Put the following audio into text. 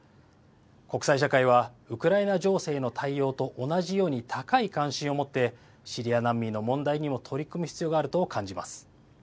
国際社会はウクライナ情勢への対応と同じように高い関心を持ってシリア難民の問題にも取り組む必要があると感じます。